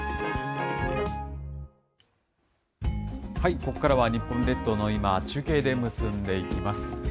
ここからは日本列島の今、中継で結んでいきます。